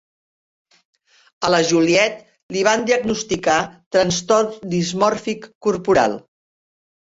A la Juliet li van diagnosticar trastorn dismòrfic corporal.